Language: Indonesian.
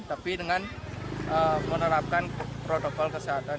tapi dengan menerapkan protokol kesehatan